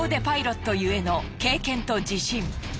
パイロットゆえの経験と自信。